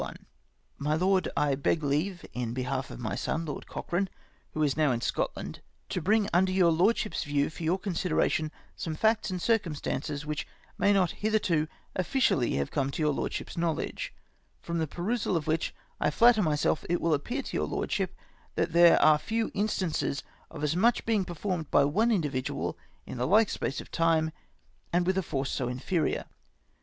jNIy Lord, — I beg leave, in behalf of my son, Lord Cochrane, who is now in Scotland, to bring under your Lord ship's view, for j^our consideration, some facts and circum stances which may not hitherto officially have come to your Lordship's knowledge, from the perusal of which I flatter myself it will appear to your Lordship that there are few instances of as much being performed by one individual in the like space of time, and with a force so inferior.